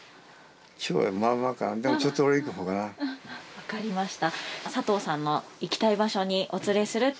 分かりました。